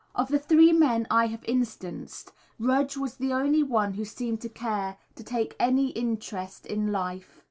Of the three men I have instanced, Rudge was the only one who seemed to care to take any interest in life.